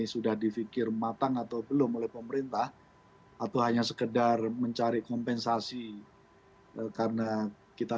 sudah difikir matang atau belum oleh pemerintah atau hanya sekedar mencari kompensasi karena kita